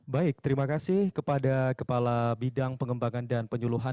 baik terima kasih kepada kepala bidang pengembangan dan penyuluhan